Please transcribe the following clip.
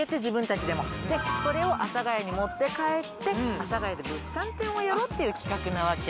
でそれを阿佐ヶ谷に持って帰って阿佐ヶ谷で物産展をやろうっていう企画なわけ。